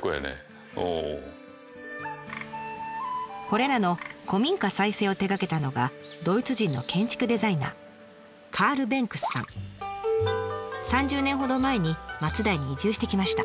これらの古民家再生を手がけたのがドイツ人の３０年ほど前に松代に移住してきました。